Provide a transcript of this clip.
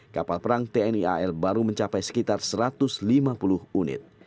kapal perang tni al baru mencapai sekitar satu ratus lima puluh unit